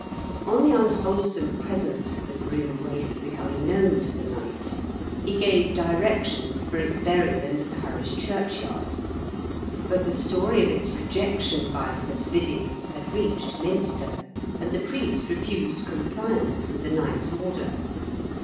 On the un wholesome presence of the grim waif becoming known to the knight, he gave directions for its burial in the parish churchyard ; but the story of its rejection by St. Biddy had reached Minster, and the priest refused compliance with the knight's order.